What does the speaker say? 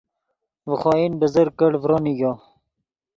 ڤے خوئن بزرگ کڑ ڤرو نیگو